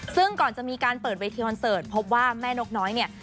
ซึ่งก่อนจะมีการเปิดเวทีคอนเสิร์ตพบว่าแม่นกน้อยเนี่ย